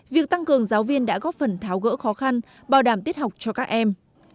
việc tăng cường giáo viên đã góp phần tháo gỡ khó khăn bảo đảm tiết học cho các em